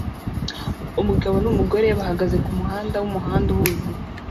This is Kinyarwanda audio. Umugabo numugore bahagaze kumuhanda wumuhanda uhuze